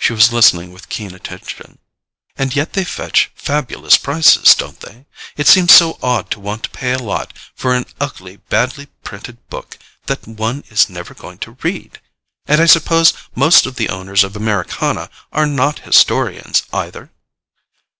She was listening with keen attention. "And yet they fetch fabulous prices, don't they? It seems so odd to want to pay a lot for an ugly badly printed book that one is never going to read! And I suppose most of the owners of Americana are not historians either?"